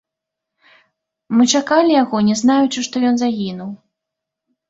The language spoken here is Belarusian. Мы чакалі яго, не знаючы, што ён загінуў.